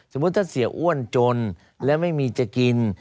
สมมุติถ้าเสียอ้วนจนแล้วไม่มีจะกิน